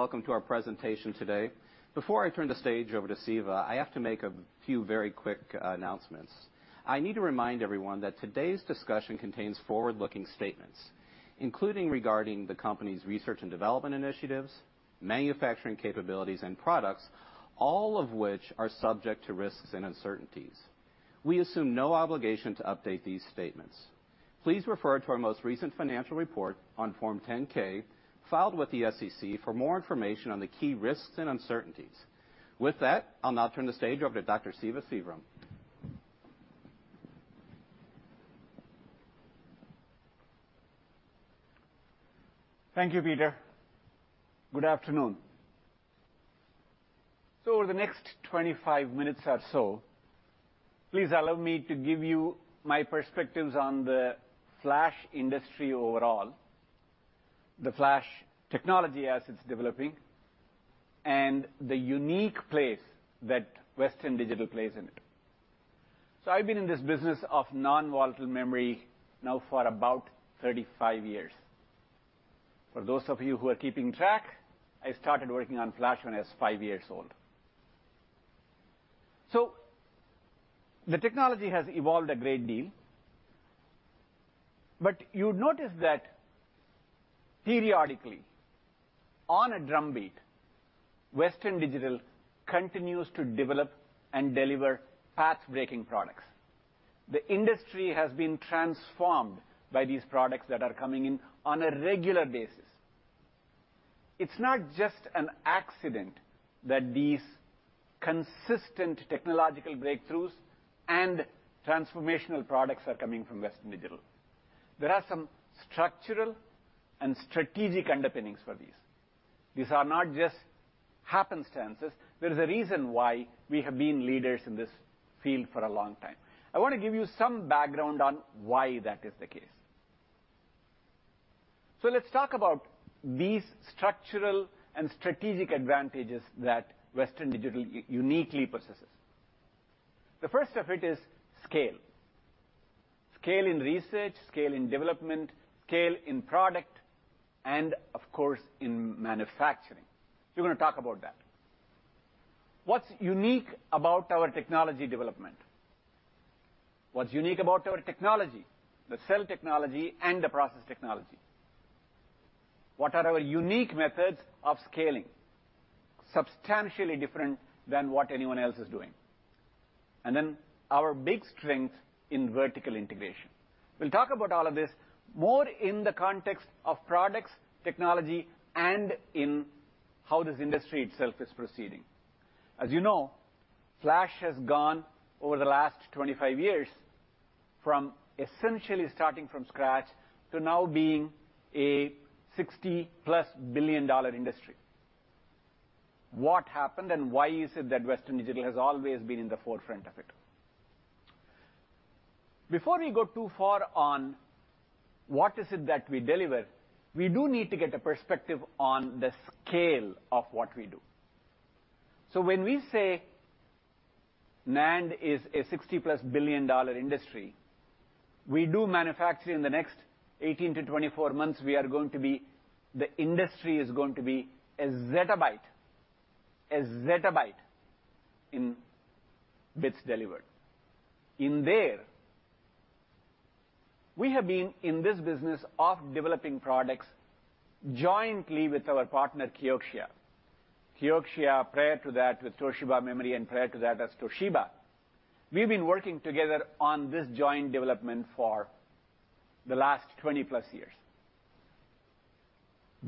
Welcome to our presentation today. Before I turn the stage over to Siva, I have to make a few very quick announcements. I need to remind everyone that today's discussion contains forward-looking statements, including regarding the company's research and development initiatives, manufacturing capabilities, and products, all of which are subject to risks and uncertainties. We assume no obligation to update these statements. Please refer to our most recent financial report on Form 10-K filed with the SEC for more information on the key risks and uncertainties. With that, I'll now turn the stage over to Dr. Siva Sivaram. Thank you, Peter. Good afternoon. Over the next 25 minutes or so, please allow me to give you my perspectives on the flash industry overall, the flash technology as it's developing, and the unique place that Western Digital plays in it. I've been in this business of non-volatile memory now for about 35 years. For those of you who are keeping track, I started working on flash when I was five years old. The technology has evolved a great deal. You would notice that periodically, on a drumbeat, Western Digital continues to develop and deliver pathbreaking products. The industry has been transformed by these products that are coming in on a regular basis. It's not just an accident that these consistent technological breakthroughs and transformational products are coming from Western Digital. There are some structural and strategic underpinnings for these. These are not just happenstances. There is a reason why we have been leaders in this field for a long time. I want to give you some background on why that is the case. Let's talk about these structural and strategic advantages that Western Digital uniquely possesses. The first of it is scale. Scale in research, scale in development, scale in product, and of course, in manufacturing. We're going to talk about that. What's unique about our technology development? What's unique about our technology, the cell technology, and the process technology? What are our unique methods of scaling, substantially different than what anyone else is doing? Our big strength in vertical integration. We'll talk about all of this more in the context of products, technology, and in how this industry itself is proceeding. As you know, flash has gone over the last 25 years from essentially starting from scratch to now being a $60+ billion industry. What happened and why is it that Western Digital has always been in the forefront of it? Before we go too far on what is it that we deliver, we do need to get a perspective on the scale of what we do. When we say NAND is a $60+ billion industry, we do manufacture in the next 18 to 24 months, the industry is going to be a zettabyte in bits delivered. In there, we have been in this business of developing products jointly with our partner, Kioxia. Kioxia, prior to that, with Toshiba Memory, and prior to that, as Toshiba. We've been working together on this joint development for the last 20+ years.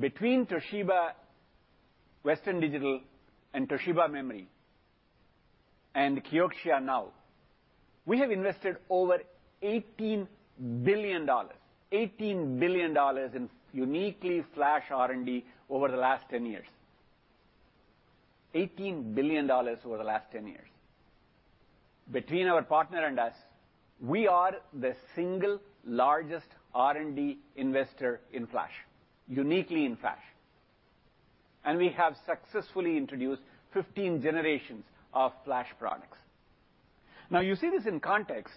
Between Toshiba, Western Digital, and Toshiba Memory, and Kioxia now, we have invested over $18 billion, $18 billion in uniquely flash R&D over the last 10 years. $18 billion over the last 10 years. Between our partner and us, we are the single largest R&D investor in flash, uniquely in flash. We have successfully introduced 15 generations of flash products. You see this in context.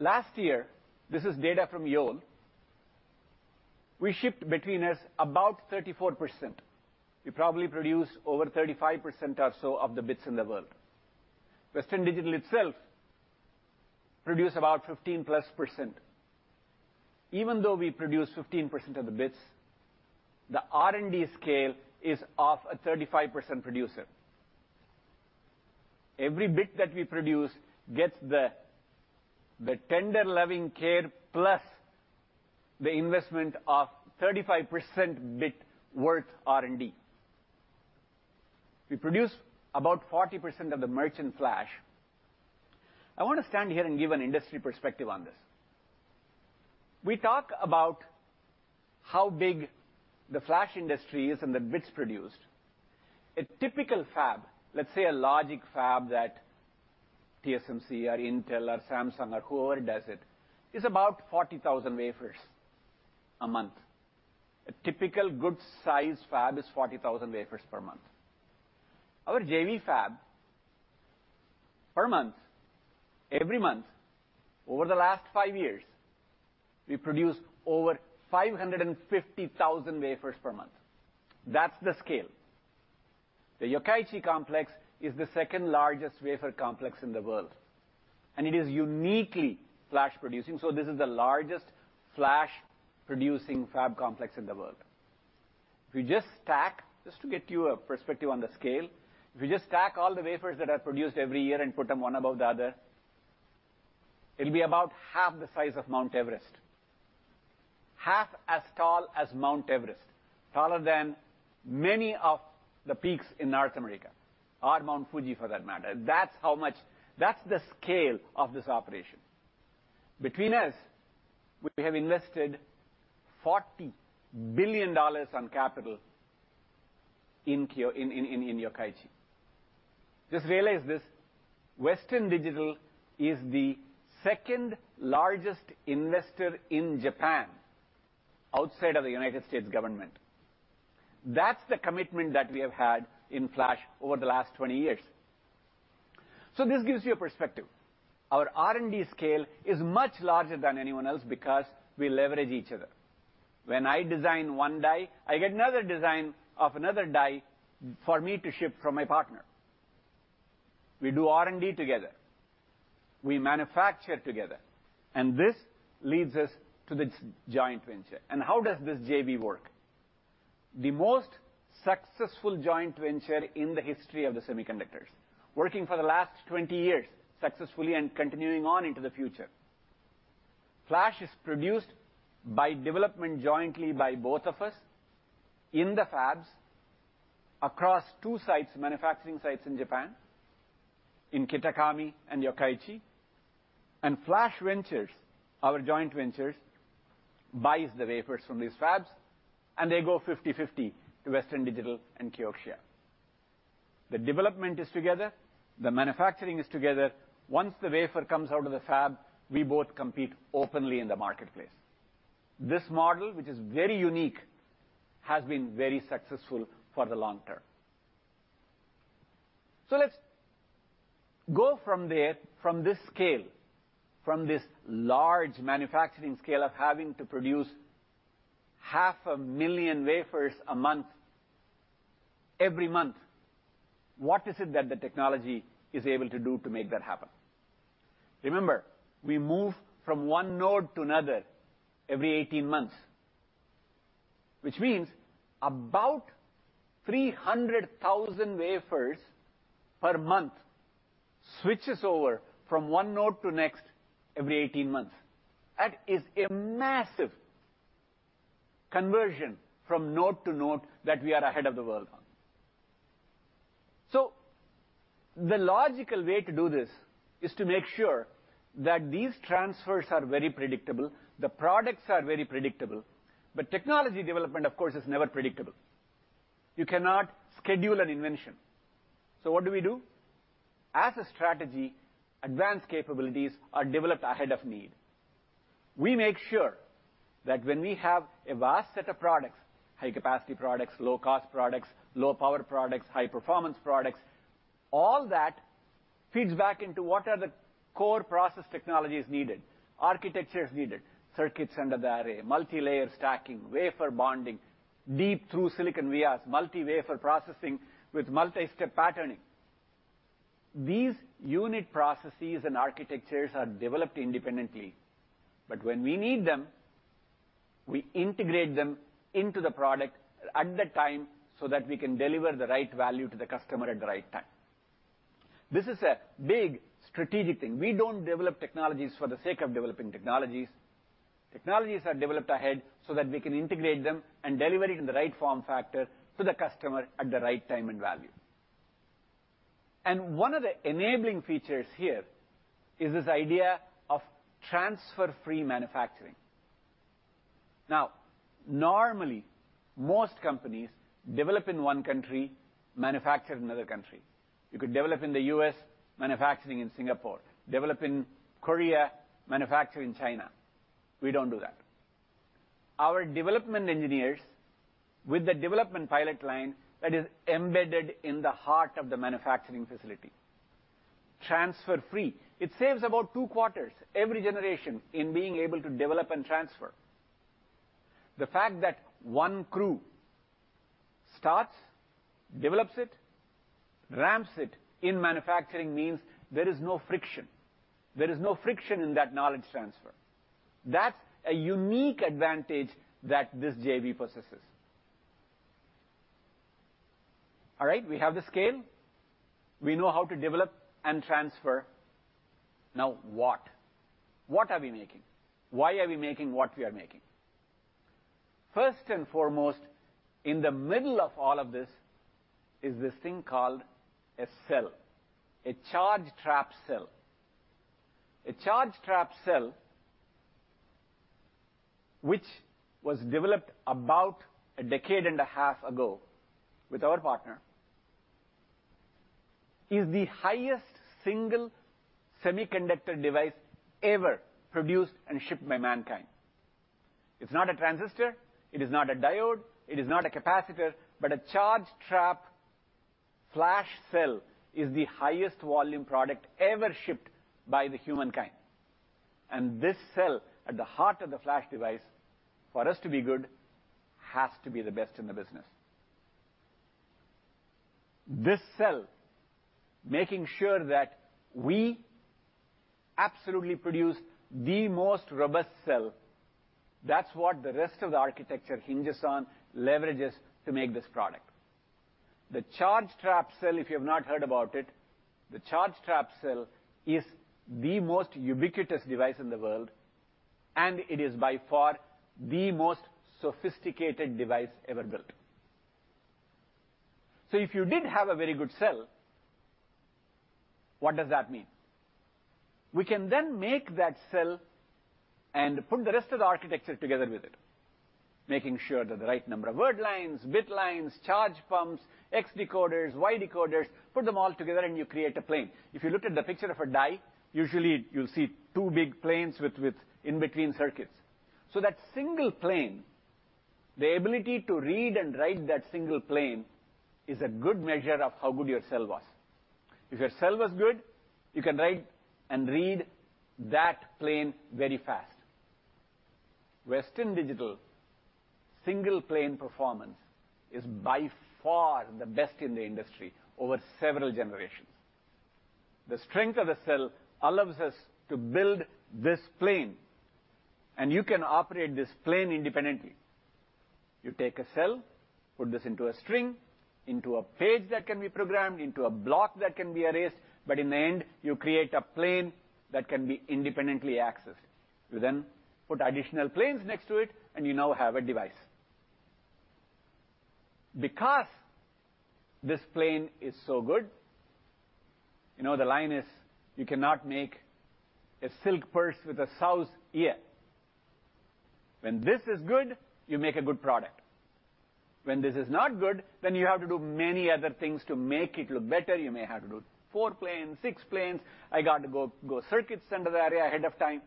Last year, this is data from Yole, we shipped between us about 34%. We probably produce over 35% or so of the bits in the world. Western Digital itself produce about 15%+. Even though we produce 15% of the bits, the R&D scale is of a 35% producer. Every bit that we produce gets the tender loving care plus the investment of 35% bit worth R&D. We produce about 40% of the merchant flash. I want to stand here and give an industry perspective on this. We talk about how big the flash industry is and the bits produced. A typical fab, let's say a logic fab that TSMC or Intel or Samsung or whoever does it, is about 40,000 wafers a month. A typical good size fab is 40,000 wafers per month. Our JV fab, per month, every month, over the last five years, we produced over 550,000 wafers per month. That's the scale. The Yokkaichi complex is the second-largest wafer complex in the world, and it is uniquely flash producing. This is the largest flash-producing fab complex in the world. Just to get you a perspective on the scale, if we just stack all the wafers that are produced every year and put them one above the other, it'll be about half the size of Mount Everest. Half as tall as Mount Everest, taller than many of the peaks in North America or Mount Fuji for that matter. That's the scale of this operation. Between us, we have invested $40 billion on capital in Yokkaichi. Just realize this, Western Digital is the second-largest investor in Japan outside of the U.S. government. That's the commitment that we have had in flash over the last 20 years. This gives you a perspective. Our R&D scale is much larger than anyone else because we leverage each other. When I design one die, I get another design of another die for me to ship from my partner. We do R&D together. We manufacture together. This leads us to this joint venture. How does this JV work? The most successful joint venture in the history of the semiconductors, working for the last 20 years successfully and continuing on into the future. Flash is produced by development jointly by both of us in the fabs across two manufacturing sites in Japan, in Kitakami and Yokkaichi, and Flash Ventures, our joint ventures, buys the wafers from these fabs, and they go 50/50 to Western Digital and Kioxia. The development is together. The manufacturing is together. Once the wafer comes out of the fab, we both compete openly in the marketplace. This model, which is very unique, has been very successful for the long term. Let's go from this scale, from this large manufacturing scale of having to produce half a million wafers a month every month. What is it that the technology is able to do to make that happen? Remember, we move from one node to another every 18 months, which means about 300,000 wafers per month switches over from one node to next every 18 months. That is a massive conversion from node to node that we are ahead of the world on. The logical way to do this is to make sure that these transfers are very predictable, the products are very predictable, but technology development, of course, is never predictable. You cannot schedule an invention. What do we do? As a strategy, advanced capabilities are developed ahead of need. We make sure that when we have a vast set of products, high-capacity products, low-cost products, low-power products, high-performance products, all that feeds back into what are the core process technologies needed, architectures needed, circuits under the array, multilayer stacking, wafer bonding, deep through-silicon vias, multi-wafer processing with multi-step patterning. These unit processes and architectures are developed independently, but when we need them, we integrate them into the product at the time so that we can deliver the right value to the customer at the right time. This is a big strategic thing. We don't develop technologies for the sake of developing technologies. Technologies are developed ahead so that we can integrate them and deliver it in the right form factor to the customer at the right time and value. One of the enabling features here is this idea of transfer-free manufacturing. Now, normally, most companies develop in one country, manufacture in another country. You could develop in the U.S., manufacturing in Singapore, develop in Korea, manufacture in China. We don't do that. Our development engineers with the development pilot line that is embedded in the heart of the manufacturing facility. Transfer-free. It saves about two quarters every generation in being able to develop and transfer. The fact that one crew starts, develops it, ramps it in manufacturing means there is no friction. There is no friction in that knowledge transfer. That's a unique advantage that this JV possesses. All right, we have the scale. We know how to develop and transfer. Now, what? What are we making? Why are we making what we are making? First and foremost, in the middle of all of this is this thing called a cell, a charge trap cell. A charge trap cell, which was developed about a decade and 1/2 ago with our partner, is the highest single semiconductor device ever produced and shipped by mankind. It's not a transistor, it is not a diode, it is not a capacitor, but a charge trap flash cell is the highest volume product ever shipped by the humankind. This cell at the heart of the flash device, for us to be good, has to be the best in the business. This cell, making sure that we absolutely produce the most robust cell, that's what the rest of the architecture hinges on, leverages to make this product. The charge trap cell, if you have not heard about it, the charge trap cell is the most ubiquitous device in the world, and it is by far the most sophisticated device ever built. If you did have a very good cell, what does that mean? We can then make that cell and put the rest of the architecture together with it, making sure that the right number of word lines, bit lines, charge pumps, X decoders, Y decoders, put them all together and you create a plane. If you looked at the picture of a die, usually you'll see two big planes with in-between circuits. That single plane, the ability to read and write that single plane is a good measure of how good your cell was. If your cell was good, you can write and read that plane very fast. Western Digital single plane performance is by far the best in the industry over several generations. The strength of the cell allows us to build this plane, and you can operate this plane independently. You take a cell, put this into a string, into a page that can be programmed, into a block that can be erased, in the end, you create a plane that can be independently accessed. You put additional planes next to it, you now have a device. Because this plane is so good, you know the line is, "You cannot make a silk purse with a sow's ear." When this is good, you make a good product. When this is not good, you have to do many other things to make it look better. You may have to do four planes, six planes. I got to go circuit center the area ahead of time.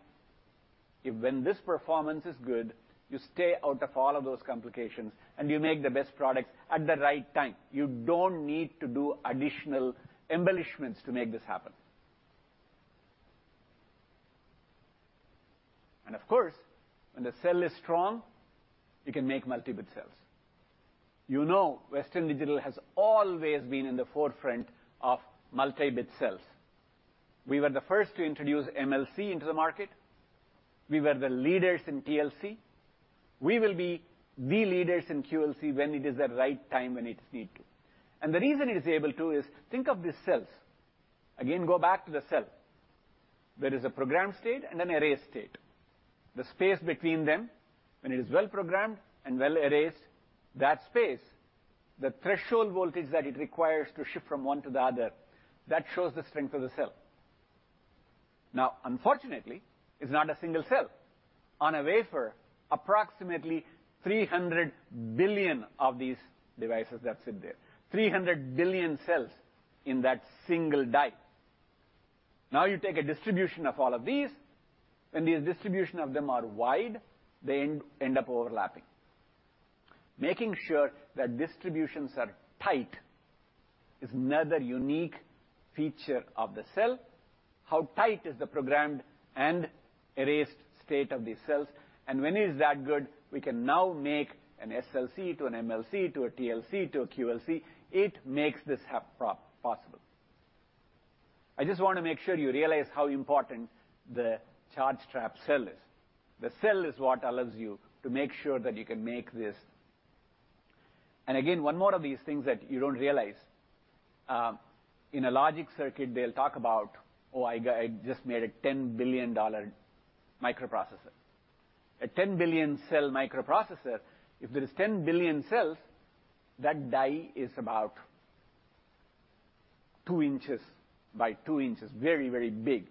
When this performance is good, you stay out of all of those complications, you make the best products at the right time. You don't need to do additional embellishments to make this happen. Of course, when the cell is strong, you can make multi-bit cells. You know Western Digital has always been in the forefront of multi-bit cells. We were the first to introduce MLC into the market. We were the leaders in TLC. We will be the leaders in QLC when it is the right time, when it's need to. The reason it is able to is, think of the cells. Again, go back to the cell. There is a program state and an erase state. The space between them, when it is well programmed and well erased, that space, the threshold voltage that it requires to shift from one to the other, that shows the strength of the cell. Now, unfortunately, it's not a single cell. On a wafer, approximately 300 billion of these devices that sit there, 300 billion cells in that single die. You take a distribution of all of these, when the distribution of them are wide, they end up overlapping. Making sure that distributions are tight is another unique feature of the cell. How tight is the programmed and erased state of these cells, and when is that good, we can now make an SLC to an MLC, to a TLC, to a QLC. It makes this possible. I just want to make sure you realize how important the charge trap cell is. The cell is what allows you to make sure that you can make this. Again, one more of these things that you don't realize. In a logic circuit, they'll talk about, "Oh, I just made a $10 billion microprocessor." A 10 billion cell microprocessor, if there is 10 billion cells, that die is about two inches by two inches. Very, very big.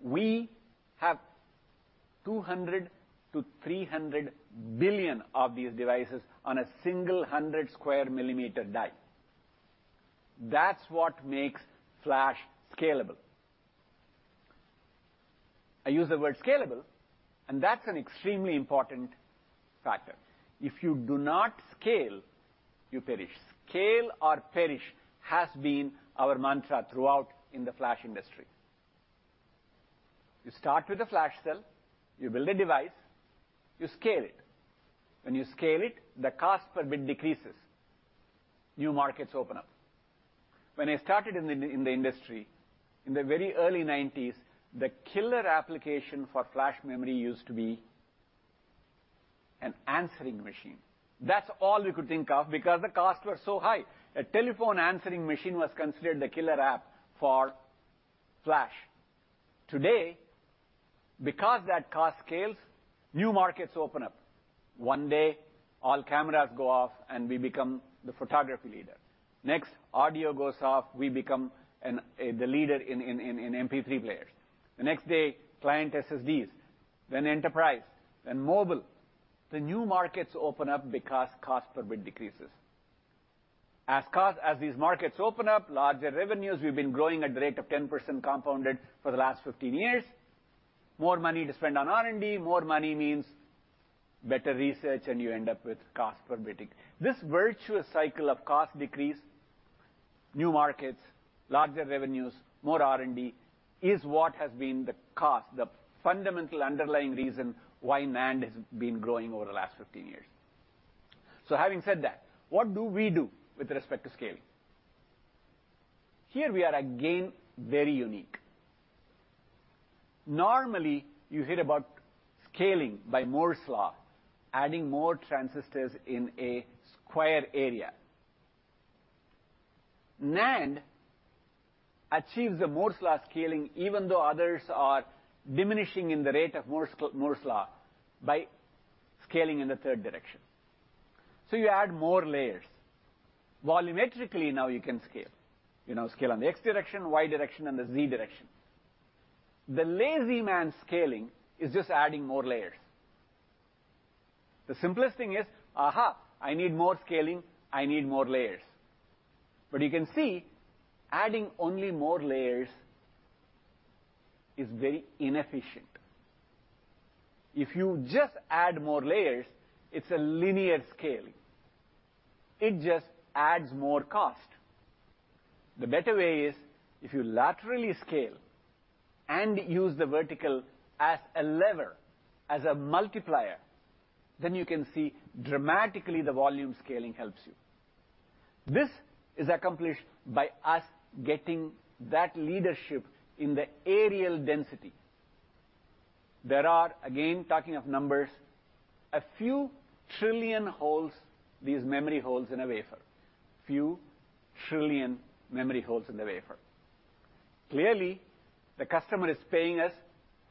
We have 200 to 300 billion of these devices on a single 100 square millimeter die. That's what makes flash scalable. I use the word scalable, and that's an extremely important factor. If you do not scale, you perish. Scale or perish has been our mantra throughout in the flash industry. You start with a flash cell, you build a device, you scale it. When you scale it, the cost per bit decreases. New markets open up. When I started in the industry, in the very early 1990s, the killer application for flash memory used to be an answering machine. That's all you could think of because the cost was so high. A telephone answering machine was considered the killer app for flash. Today, because that cost scales, new markets open up. One day, all cameras go off and we become the photography leader. Next, audio goes off, we become the leader in MP3 players. The next day, client SSDs, then enterprise, then mobile. The new markets open up because cost per bit decreases. As these markets open up, larger revenues, we've been growing at the rate of 10% compounded for the last 15 years. More money to spend on R&D, more money means better research, and you end up with cost per bit. This virtuous cycle of cost decrease, new markets, larger revenues, more R&D is what has been the cost, the fundamental underlying reason why NAND has been growing over the last 15 years. Having said that, what do we do with respect to scaling? Here we are again, very unique. Normally, you hear about scaling by Moore's law, adding more transistors in a square area. NAND achieves the Moore's law scaling even though others are diminishing in the rate of Moore's law by scaling in the third direction. You add more layers. Volumetrically, now you can scale. Scale on the X direction, Y direction, and the Z direction. The lazy man scaling is just adding more layers. The simplest thing is, aha, I need more scaling, I need more layers. You can see adding only more layers is very inefficient. If you just add more layers, it's a linear scaling. It just adds more cost. The better way is if you laterally scale and use the vertical as a lever, as a multiplier, then you can see dramatically the volume scaling helps you. This is accomplished by us getting that leadership in the areal density. There are, again, talking of numbers, a few trillion holes, these memory holes in a wafer. Few trillion memory holes in the wafer. Clearly, the customer is paying us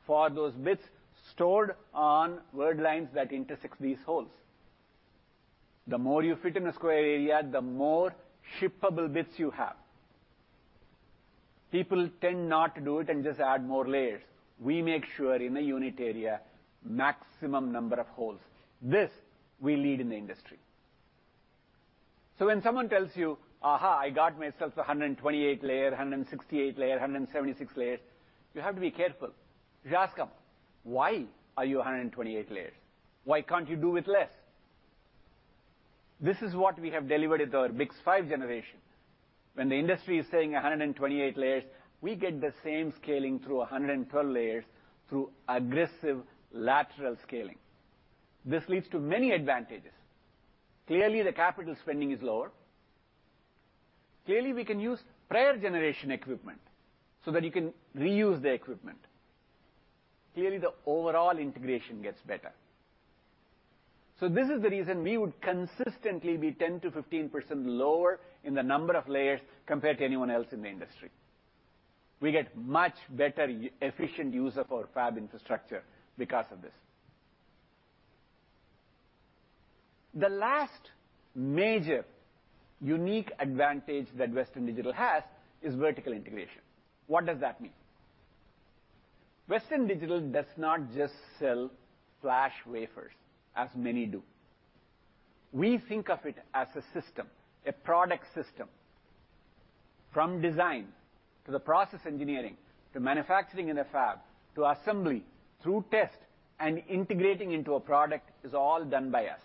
for those bits stored on word lines that intersect these holes. The more you fit in a square area, the more shippable bits you have. People tend not to do it and just add more layers. We make sure in a unit area, maximum number of holes. This we lead in the industry. When someone tells you, "Aha, I got myself 128 layer, 168 layer, 176 layers," you have to be careful. You ask them, "Why are you 128 layers? Why can't you do with less?" This is what we have delivered with our BiCS5 generation. When the industry is saying 128 layers, we get the same scaling through 112 layers through aggressive lateral scaling. This leads to many advantages. Clearly, the capital spending is lower. Clearly, we can use prior generation equipment so that you can reuse the equipment. Clearly, the overall integration gets better. This is the reason we would consistently be 10%-15% lower in the number of layers compared to anyone else in the industry. We get much better efficient use of our fab infrastructure because of this. The last major unique advantage that Western Digital has is vertical integration. What does that mean? Western Digital does not just sell flash wafers as many do. We think of it as a system, a product system. From design to the process engineering, to manufacturing in a fab, to assembly, through test, and integrating into a product is all done by us.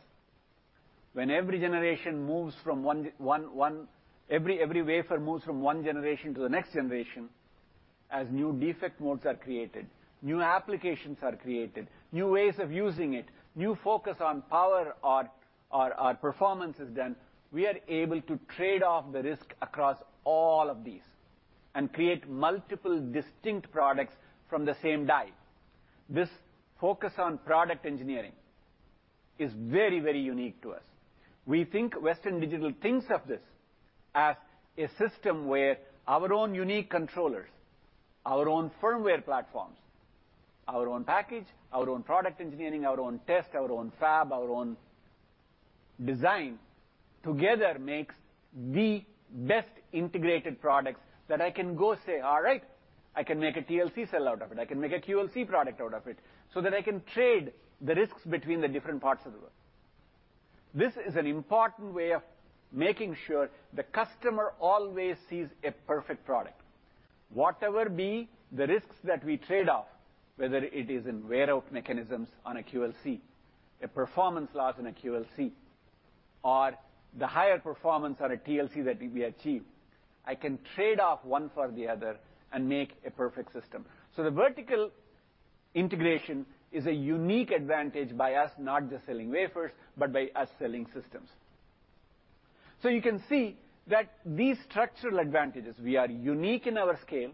When every wafer moves from one generation to the next generation, as new defect modes are created, new applications are created, new ways of using it, new focus on power or performance is done, we are able to trade off the risk across all of these, and create multiple distinct products from the same die. This focus on product engineering is very unique to us. Western Digital thinks of this as a system where our own unique controllers, our own firmware platforms, our own package, our own product engineering, our own test, our own fab, our own design together makes the best integrated products that I can go say, "All right, I can make a TLC cell out of it. I can make a QLC product out of it, so that I can trade the risks between the different parts of the world. This is an important way of making sure the customer always sees a perfect product. Whatever be the risks that we trade off, whether it is in wear out mechanisms on a QLC, a performance loss in a QLC, or the higher performance on a TLC that we achieve, I can trade off one for the other and make a perfect system. The vertical integration is a unique advantage by us not just selling wafers, but by us selling systems. You can see that these structural advantages, we are unique in our scale.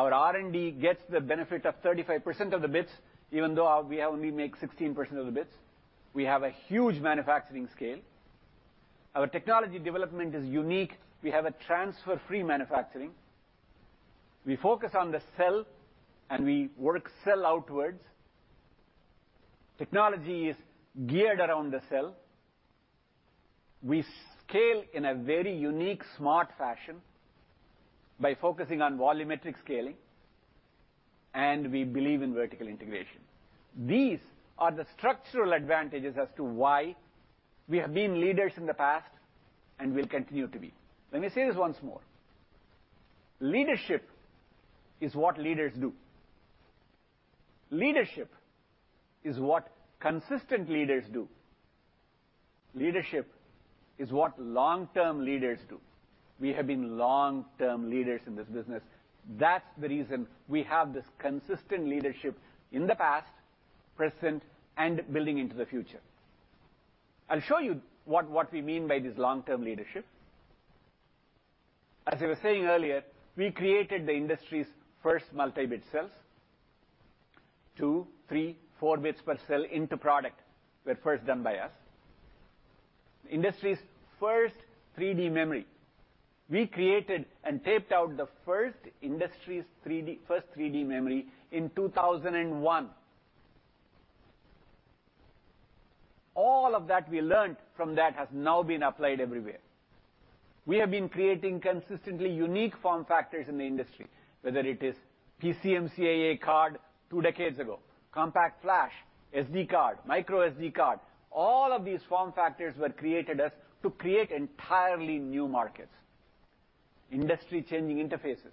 Our R&D gets the benefit of 35% of the bits, even though we only make 16% of the bits. We have a huge manufacturing scale. Our technology development is unique. We have a transfer-free manufacturing. We focus on the cell, and we work cell outwards. Technology is geared around the cell. We scale in a very unique, smart fashion by focusing on volumetric scaling. We believe in vertical integration. These are the structural advantages as to why we have been leaders in the past and will continue to be. Let me say this once more. Leadership is what leaders do. Leadership is what consistent leaders do. Leadership is what long-term leaders do. We have been long-term leaders in this business. That's the reason we have this consistent leadership in the past, present, and building into the future. I'll show you what we mean by this long-term leadership. As I was saying earlier, we created the industry's first multi-bit cells, two, three, four bits per cell into product, were first done by us. Industry's first 3D memory. We created and taped out the industry's first 3D memory in 2001. All of that we learned from that has now been applied everywhere. We have been creating consistently unique form factors in the industry, whether it is PCMCIA card two decades ago, CompactFlash, SD card, microSD card. All of these form factors were created as to create entirely new markets. Industry-changing interfaces.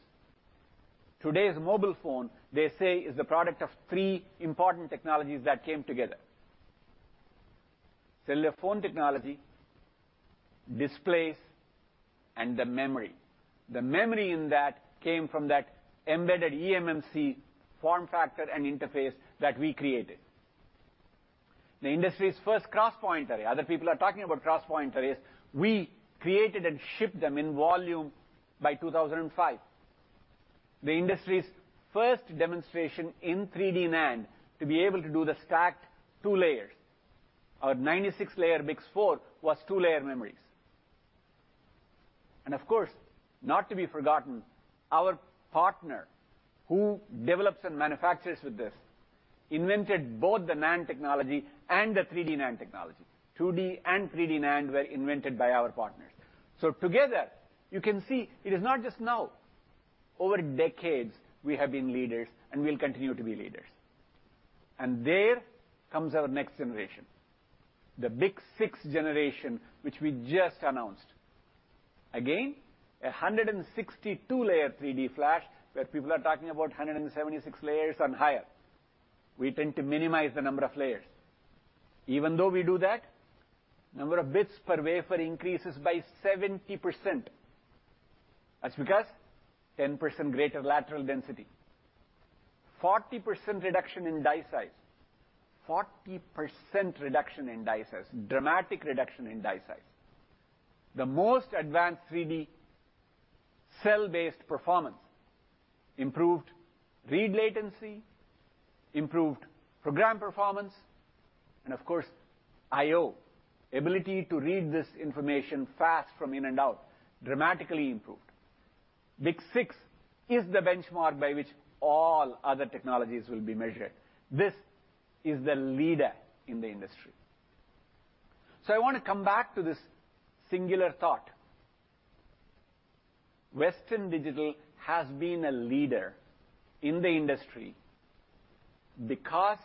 Today's mobile phone, they say, is the product of three important technologies that came together. Cellular phone technology, displays, and the memory. The memory in that came from that embedded eMMC form factor and interface that we created. The industry's first cross-point array. Other people are talking about cross-point arrays. We created and shipped them in volume by 2005. The industry's first demonstration in 3D NAND to be able to do the stacked two layers. Our 96-layer BiCS4 was two-layer memories. Of course, not to be forgotten, our partner, who develops and manufactures with this, invented both the NAND technology and the 3D NAND technology. 2D and 3D NAND were invented by our partners. Together you can see it is not just now. Over decades, we have been leaders, and we'll continue to be leaders. There comes our next generation, the BiCS6 generation, which we just announced. Again, a 162-layer 3D flash where people are talking about 176 layers and higher. We tend to minimize the number of layers. Even though we do that, number of bits per wafer increases by 70%. That's because 10% greater lateral density, 40% reduction in die size. 40% reduction in die size. Dramatic reduction in die size. The most advanced 3D cell-based performance, improved read latency, improved program performance, and of course, IO, ability to read this information fast from in and out, dramatically improved. BiCS6 is the benchmark by which all other technologies will be measured. This is the leader in the industry. I want to come back to this singular thought. Western Digital has been a leader in the industry because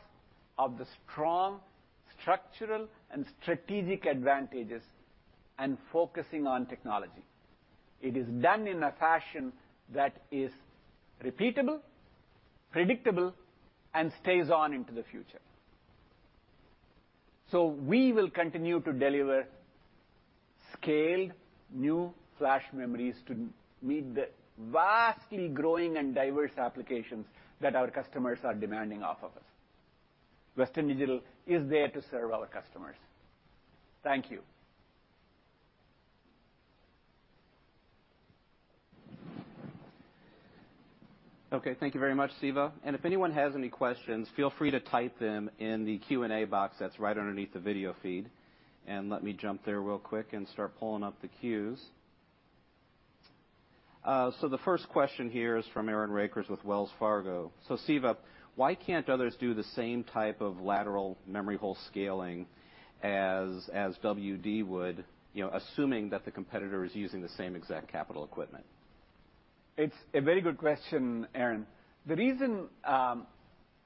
of the strong structural and strategic advantages and focusing on technology. It is done in a fashion that is repeatable, predictable, and stays on into the future. We will continue to deliver scaled, new flash memories to meet the vastly growing and diverse applications that our customers are demanding off of us. Western Digital is there to serve our customers. Thank you. Okay. Thank you very much, Siva. If anyone has any questions, feel free to type them in the Q&A box that's right underneath the video feed. Let me jump there real quick and start pulling up the queues. The first question here is from Aaron Rakers with Wells Fargo. Siva, why can't others do the same type of lateral memory hole scaling as WD would, assuming that the competitor is using the same exact capital equipment? It's a very good question, Aaron. The reason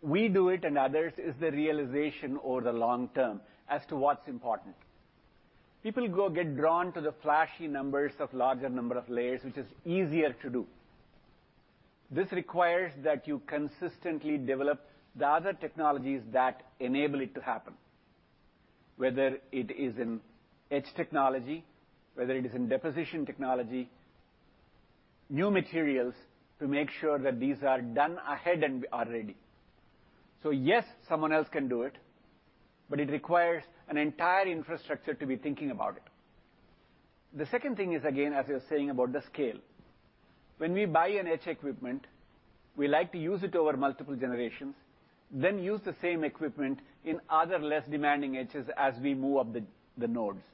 we do it and others is the realization over the long term as to what's important. People go get drawn to the flashy numbers of larger number of layers, which is easier to do. This requires that you consistently develop the other technologies that enable it to happen, whether it is in etch technology, whether it is in deposition technology, new materials to make sure that these are done ahead and are ready. Yes, someone else can do it, but it requires an entire infrastructure to be thinking about it. The second thing is, again, as you were saying about the scale. When we buy an etch equipment, we like to use it over multiple generations, then use the same equipment in other less demanding etches as we move up the nodes.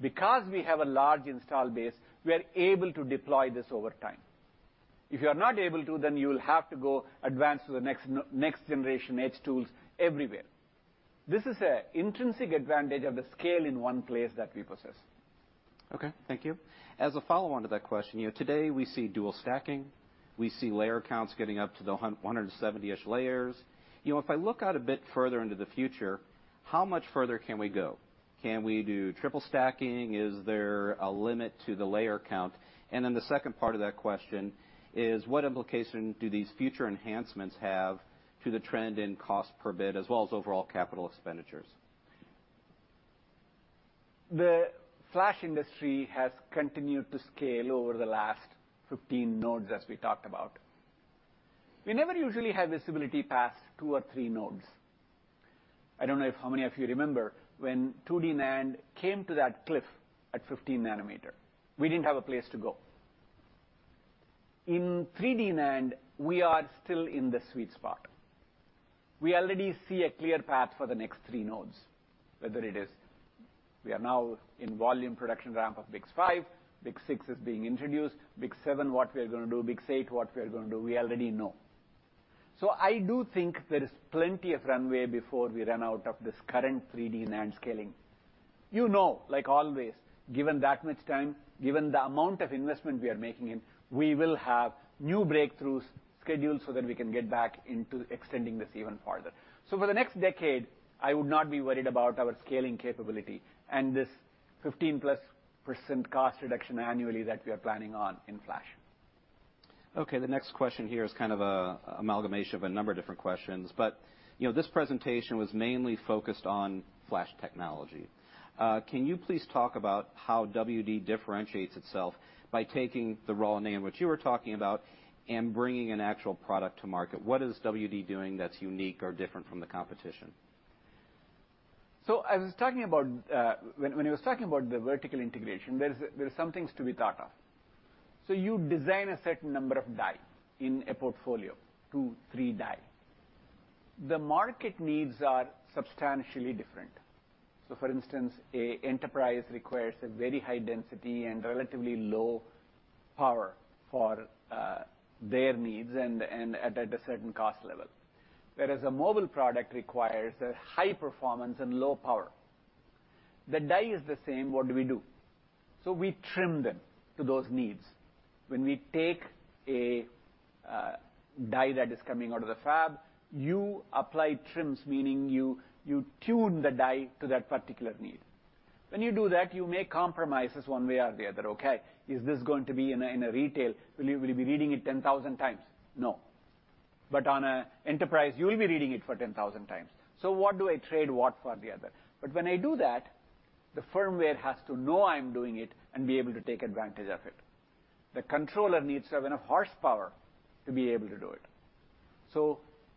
Because we have a large install base, we are able to deploy this over time. If you are not able to, then you will have to go advance to the next generation etch tools everywhere. This is an intrinsic advantage of the scale in one place that we possess. Okay, thank you. As a follow-on to that question, today we see dual stacking, we see layer counts getting up to the 170-ish layers. If I look out a bit further into the future, how much further can we go? Can we do triple stacking? Is there a limit to the layer count? The second part of that question is what implication do these future enhancements have to the trend in cost per bit as well as overall capital expenditures? The flash industry has continued to scale over the last 15 nodes, as we talked about. We never usually have visibility past two or three nodes. I don't know how many of you remember when 2D NAND came to that cliff at 15 nanometer. We didn't have a place to go. In 3D NAND, we are still in the sweet spot. We already see a clear path for the next three nodes, whether it is we are now in volume production ramp of BiCS5, BiCS6 is being introduced, BiCS7, what we are going to do, BiCS8, what we are going to do, we already know. I do think there is plenty of runway before we run out of this current 3D NAND scaling. You know, like always, given that much time, given the amount of investment we are making in, we will have new breakthroughs scheduled so that we can get back into extending this even further. For the next decade, I would not be worried about our scaling capability and this 15%+ cost reduction annually that we are planning on in flash. Okay, the next question here is kind of an amalgamation of a number of different questions. This presentation was mainly focused on flash technology. Can you please talk about how WD differentiates itself by taking the raw NAND, which you were talking about, and bringing an actual product to market? What is WD doing that's unique or different from the competition? When he was talking about the vertical integration, there are some things to be thought of. You design a certain number of die in a portfolio, two, three die. The market needs are substantially different. For instance, an enterprise requires a very high density and relatively low power for their needs and at a certain cost level. Whereas a mobile product requires a high performance and low power. The die is the same, what do we do? We trim them to those needs. When we take a die that is coming out of the fab, you apply trims, meaning you tune the die to that particular need. When you do that, you make compromises one way or the other. Okay, is this going to be in a retail? Will you be reading it 10,000 times? No. On an enterprise, you will be reading it for 10,000 times. What do I trade what for the other? When I do that, the firmware has to know I'm doing it and be able to take advantage of it. The controller needs to have enough horsepower to be able to do it.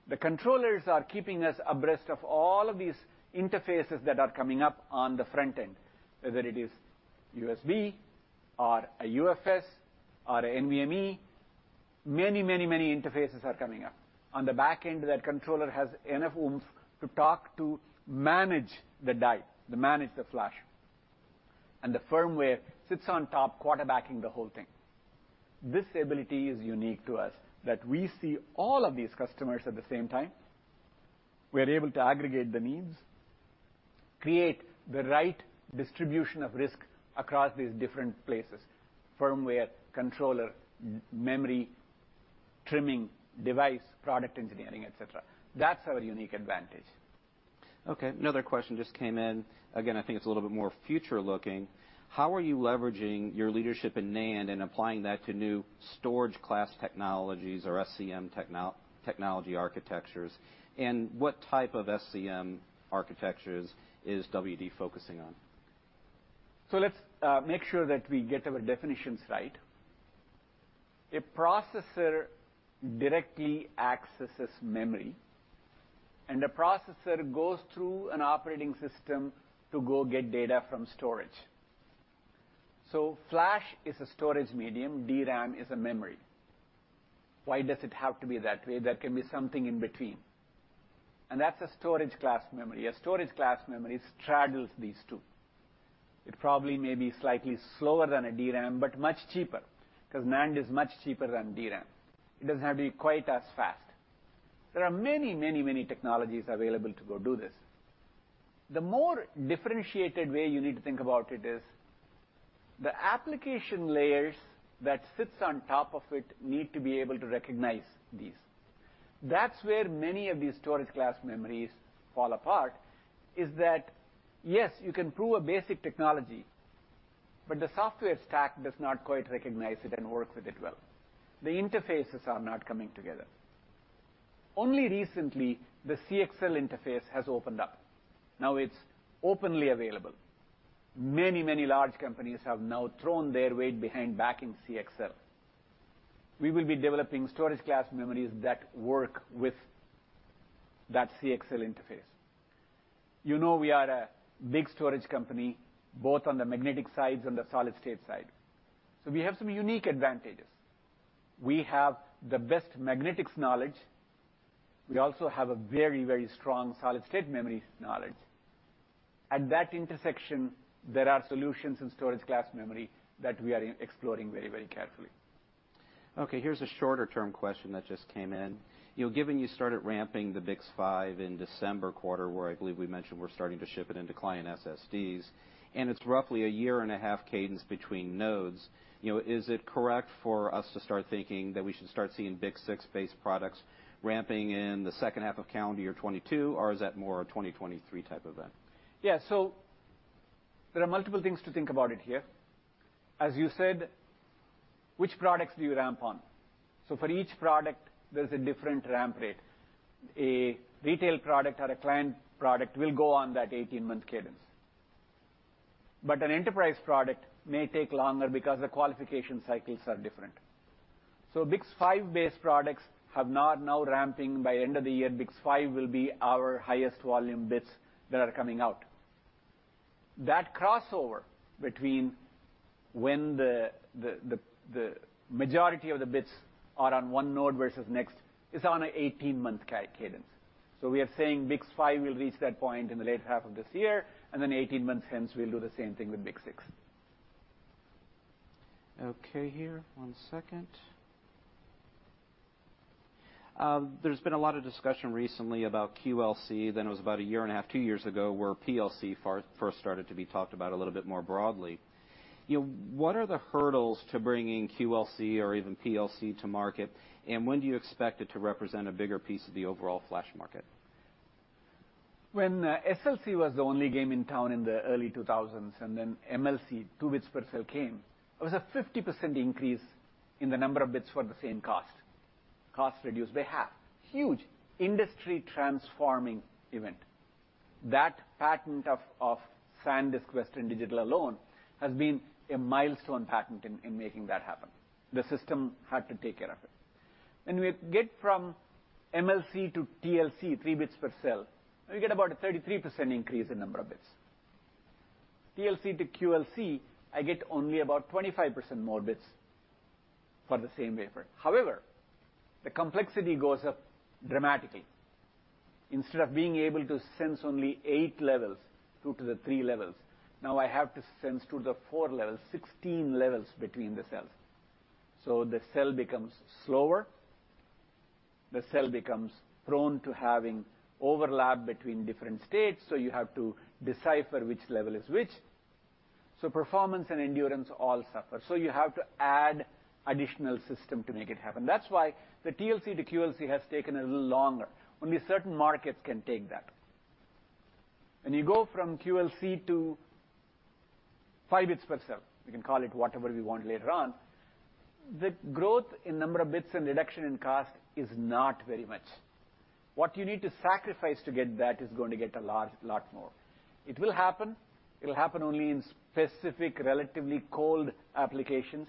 The controllers are keeping us abreast of all of these interfaces that are coming up on the front end, whether it is USB or a UFS or a NVMe. Many interfaces are coming up. On the back end, that controller has enough oomph to talk to manage the die, to manage the flash. The firmware sits on top quarterbacking the whole thing. This ability is unique to us, that we see all of these customers at the same time. We're able to aggregate the needs, create the right distribution of risk across these different places, firmware, controller, memory, trimming, device, product engineering, et cetera. That's our unique advantage. Okay, another question just came in. Again, I think it's a little bit more future-looking. How are you leveraging your leadership in NAND and applying that to new storage class memory or SCM technology architectures, and what type of SCM architectures is WD focusing on? Let's make sure that we get our definitions right. A processor directly accesses memory, and a processor goes through an operating system to go get data from storage. Flash is a storage medium, DRAM is a memory. Why does it have to be that way? There can be something in between. That's a storage class memory. A storage class memory straddles these two. It probably may be slightly slower than a DRAM, but much cheaper, because NAND is much cheaper than DRAM. It doesn't have to be quite as fast. There are many technologies available to go do this. The more differentiated way you need to think about it is the application layers that sits on top of it need to be able to recognize these. That's where many of these storage class memories fall apart, is that, yes, you can prove a basic technology, but the software stack does not quite recognize it and works with it well. The interfaces are not coming together. Only recently, the CXL interface has opened up. Now it's openly available. Many large companies have now thrown their weight behind backing CXL. We will be developing storage class memories that work with that CXL interface. You know we are a big storage company, both on the magnetic sides and the solid-state side. We have some unique advantages. We have the best magnetics knowledge. We also have a very strong solid-state memory knowledge. At that intersection, there are solutions in storage class memory that we are exploring very carefully. Okay, here's a shorter-term question that just came in. Given you started ramping the BiCS5 in December quarter, where I believe we mentioned we're starting to ship it into client SSDs, and it's roughly a year-and-a-half cadence between nodes. Is it correct for us to start thinking that we should start seeing BiCS6-based products ramping in the second half of calendar year 2022? Or is that more a 2023 type event? Yeah. There are multiple things to think about it here. As you said, which products do you ramp on? For each product, there's a different ramp rate. A retail product or a client product will go on that 18-month cadence. An enterprise product may take longer because the qualification cycles are different. BiCS5-based products have now ramping. By end of the year, BiCS5 will be our highest volume bits that are coming out. That crossover between when the majority of the bits are on one node versus next is on a 18-month cadence. We are saying BiCS5 will reach that point in the later half of this year, and then 18 months hence, we'll do the same thing with BiCS6. Okay, here. One second. There's been a lot of discussion recently about QLC, then it was about a year-and-a-half, two years ago, where PLC first started to be talked about a little bit more broadly. What are the hurdles to bringing QLC or even PLC to market? When do you expect it to represent a bigger piece of the overall flash market? When SLC was the only game in town in the early 2000s, and then MLC, two bits per cell, came, it was a 50% increase in the number of bits for the same cost. Cost reduced by half. Huge, industry-transforming event. That patent of SanDisk, Western Digital alone, has been a milestone patent in making that happen. The system had to take care of it. When we get from MLC to TLC, three bits per cell, we get about a 33% increase in number of bits. TLC to QLC, I get only about 25% more bits for the same wafer. However, the complexity goes up dramatically. Instead of being able to sense only 8 levels, 2 to the 3 levels, now I have to sense 2 the 4 levels, 16 levels between the cells. The cell becomes slower. The cell becomes prone to having overlap between different states, so you have to decipher which level is which. Performance and endurance all suffer. You have to add additional system to make it happen. That's why the TLC to QLC has taken a little longer. Only certain markets can take that. When you go from QLC to 5 bits per cell, we can call it whatever we want later on, the growth in number of bits and reduction in cost is not very much. What you need to sacrifice to get that is going to get a lot more. It will happen. It'll happen only in specific, relatively cold applications.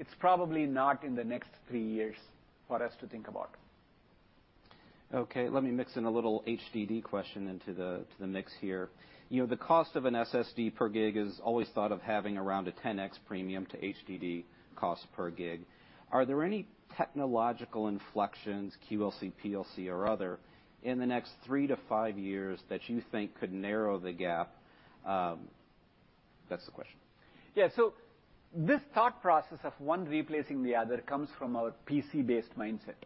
It's probably not in the next three years for us to think about. Okay, let me mix in a little HDD question into the mix here. The cost of an SSD per gig is always thought of having around a 10X premium to HDD cost per gig. Are there any technological inflections, QLC, PLC or other, in the next three to five years that you think could narrow the gap? That's the question. Yeah. This thought process of one replacing the other comes from our PC-based mindset.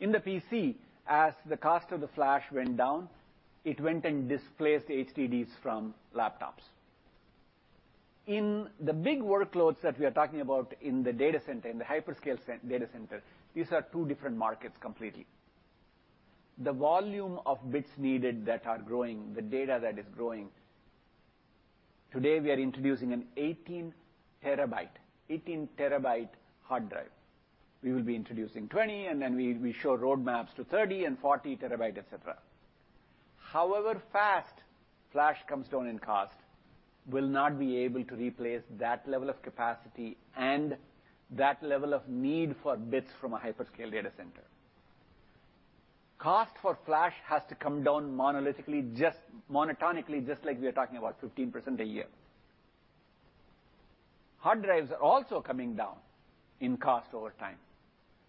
In the PC, as the cost of the flash went down, it went and displaced HDDs from laptops. In the big workloads that we are talking about in the data center, in the hyperscale data center, these are two different markets completely. The volume of bits needed that are growing, the data that is growing, today, we are introducing an 18 TB hard drive. We will be introducing 20 TB, then we show roadmaps to 30 TB and 40 TB, et cetera. However fast flash comes down in cost, will not be able to replace that level of capacity and that level of need for bits from a hyperscale data center. Cost for flash has to come down monotonically, just like we are talking about 15% a year. Hard drives are also coming down in cost over time,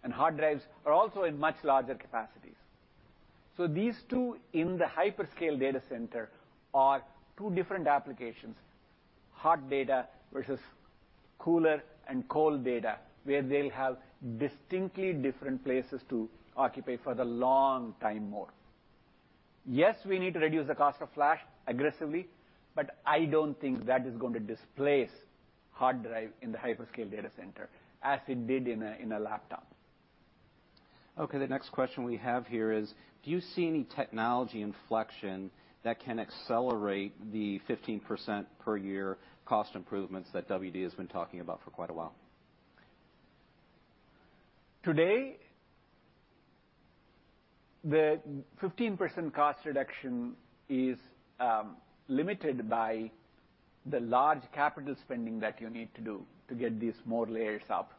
and hard drives are also in much larger capacities. These two in the hyperscale data center are two different applications, hot data versus cooler and cold data, where they'll have distinctly different places to occupy for the long time more. Yes, we need to reduce the cost of flash aggressively, but I don't think that is going to displace hard drive in the hyperscale data center as it did in a laptop. The next question we have here is: do you see any technology inflection that can accelerate the 15%-per-year cost improvements that WD has been talking about for quite a while? Today, the 15% cost reduction is limited by the large capital spending that you need to do to get these more layers up.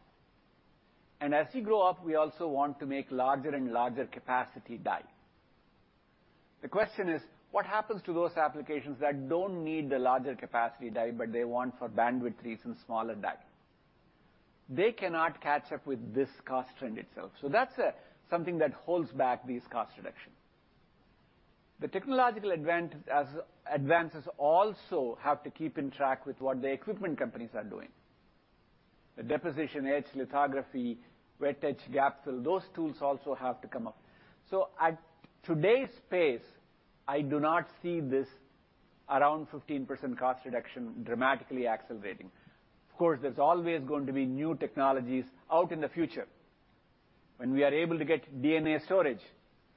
As we grow up, we also want to make larger and larger capacity die. The question is: what happens to those applications that don't need the larger capacity die but they want for bandwidth reasons, smaller die? They cannot catch up with this cost reduction. The technological advances also have to keep in track with what the equipment companies are doing. The deposition, etch, lithography, wet etch, gap fill, those tools also have to come up. At today's pace, I do not see this around 15% cost reduction dramatically accelerating. Of course, there's always going to be new technologies out in the future. When we are able to get DNA storage,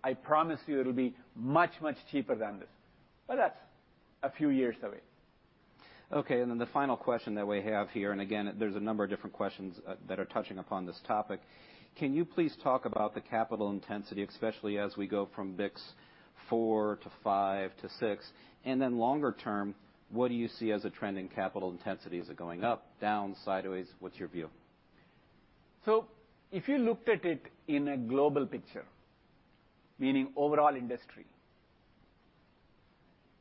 I promise you it'll be much, much cheaper than this. That's a few years away. Okay, the final question that we have here, and again, there's a number of different questions that are touching upon this topic. Can you please talk about the capital intensity, especially as we go from BiCS4 to BiCS5 to BiCS6? Longer term, what do you see as a trend in capital intensity? Is it going up, down, sideways? What's your view? If you looked at it in a global picture, meaning overall industry.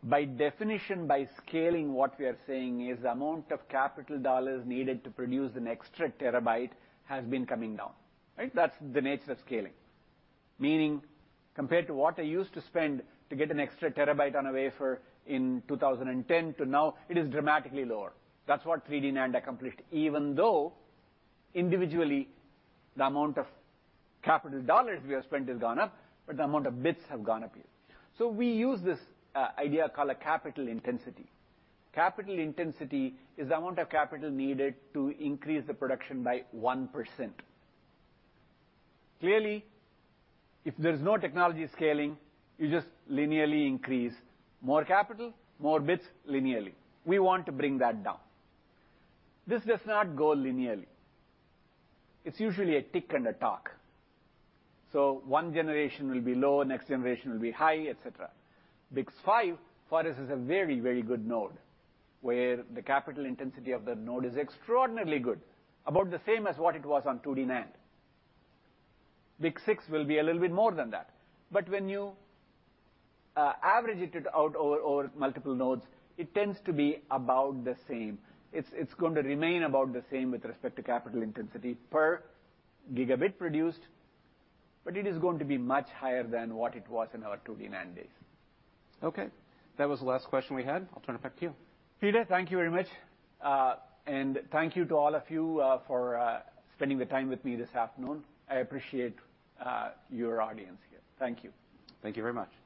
By definition, by scaling, what we are saying is the amount of capital dollars needed to produce an extra TB has been coming down, right? That's the nature of scaling. Meaning, compared to what I used to spend to get an extra TB on a wafer in 2010 to now, it is dramatically lower. That's what 3D NAND accomplished. Even though individually, the amount of capital dollars we have spent has gone up, but the amount of bits have gone up here. We use this idea called a capital intensity. Capital intensity is the amount of capital needed to increase the production by 1%. Clearly, if there's no technology scaling, you just linearly increase more capital, more bits linearly. We want to bring that down. This does not go linearly. It's usually a tick and a tock. One generation will be low, next generation will be high, et cetera. BiCS5 for us is a very good node, where the capital intensity of the node is extraordinarily good, about the same as what it was on 2D NAND. BiCS6 will be a little bit more than that. When you average it out over multiple nodes, it tends to be about the same. It's going to remain about the same with respect to capital intensity per gigabit produced, but it is going to be much higher than what it was in our 2D NAND days. Okay. That was the last question we had. I'll turn it back to you. Peter, thank you very much. Thank you to all of you for spending the time with me this afternoon. I appreciate your audience here. Thank you. Thank you very much.